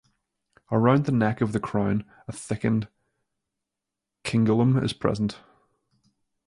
Around the neck of the crown a thickened "cingulum" is present.